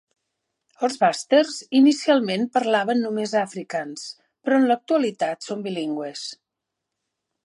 Els basters inicialment parlaven només afrikaans, però en l'actualitat són bilingües.